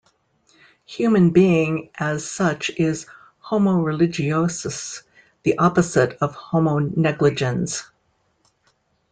Human being as such is "homo religiosus", the opposite of "homo negligens".